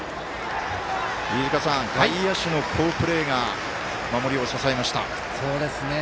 外野手の好プレーが守りを支えました。